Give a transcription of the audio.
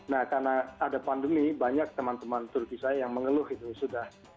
nah karena ada pandemi banyak teman teman turki saya yang mengeluh itu sudah